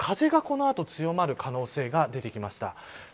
ただ風がこの後強まる可能性が出てきました。